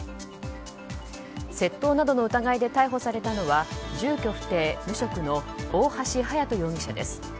窃盗などの疑いで逮捕されたのは住居不定・無職の大橋勇人容疑者です。